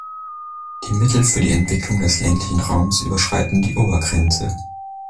Die Mittel für die Entwicklung des ländlichen Raums überschreiten die Obergrenze.